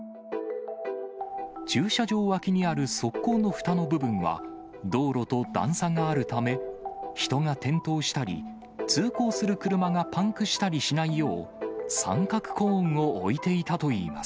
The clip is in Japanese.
駐車場脇にある側溝のふたの部分は、道路と段差があるため、人が転倒したり、通行する車がパンクしたりしないよう、三角コーンを置いていたといいます。